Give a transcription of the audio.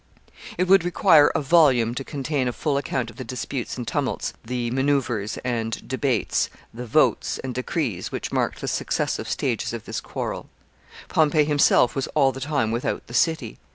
] It would require a volume to contain a full account of the disputes and tumults, the maneuvers and debates, the votes and decrees which marked the successive stages of this quarrel. Pompey himself was all the time without the city.